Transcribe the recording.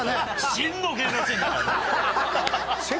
真の芸能人だからな。